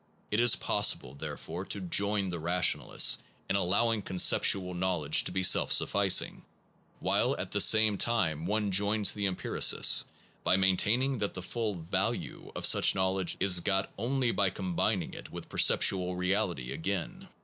It is possible therefore, to join the rationalists in allowing conceptual knowledge to be self suffic ing, while at the same time one joins the em piricists in maintaining that the full value of such knowledge is got only by combining it with perceptual reality again.